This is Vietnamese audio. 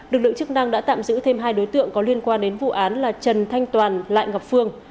lực lượng chức năng đã tạm giữ thêm hai đối tượng có liên quan đến vụ án là trần thanh toàn lại ngọc phương